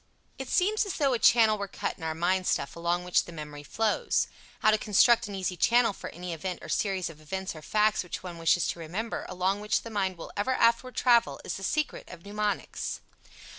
It seems as though a channel were cut in our mind stuff along which the memory flows. How to construct an easy channel for any event or series of events or facts which one wishes to remember, along which the mind will ever afterward travel, is the secret of mnemonics.